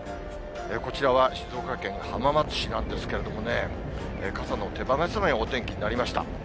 こちらは、静岡県浜松市なんですけれどもね、傘の手放せないお天気になりました。